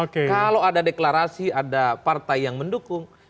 kalau ada deklarasi ada partai yang mendukung